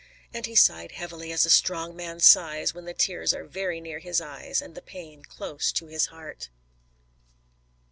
And he sighed heavily, as a strong man sighs when the tears are very near his eyes and the pain close to his heart.